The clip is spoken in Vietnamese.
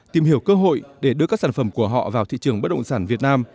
tìm hiểu cơ hội để đưa các sản phẩm của họ vào thị trường bất động sản việt nam